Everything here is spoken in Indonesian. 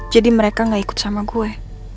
jadi mereka gak ikut sama gue